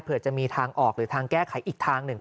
เพื่อจะมีทางออกหรือทางแก้ไขอีกทางหนึ่ง